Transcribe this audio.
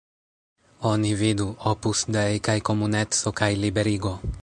Oni vidu: Opus Dei kaj Komuneco kaj Liberigo.